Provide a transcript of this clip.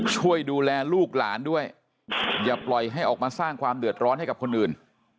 ช่วยดูแลลูกหลานด้วยอย่าปล่อยให้ออกมาสร้างความเดือดร้อนให้กับคนอื่น